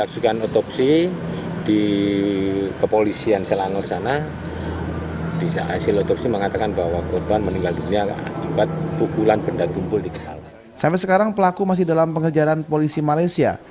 sampai sekarang pelaku masih dalam pengejaran polisi malaysia